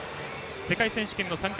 世界選手権の参加